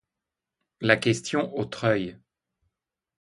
La question au treuil!